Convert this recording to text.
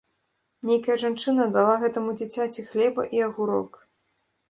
Нейкая жанчына дала гэтаму дзіцяці хлеба і агурок.